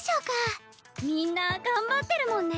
みんな頑張ってるもんね。